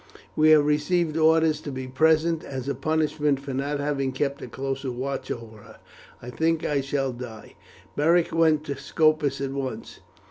We have received orders to be present, as a punishment for not having kept a closer watch over her. I think I shall die." Beric went to Scopus at once.